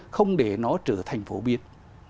không để nó trở thành phổ biến